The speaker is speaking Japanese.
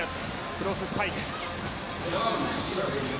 クロススパイク。